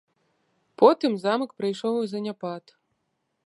Потым замак прыйшоў у заняпад.